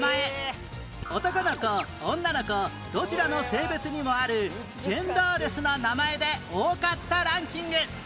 男の子女の子どちらの性別にもあるジェンダーレスな名前で多かったランキング